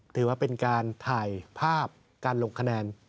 ถือว่าเป็นการถ่ายภาพการลงคะแนน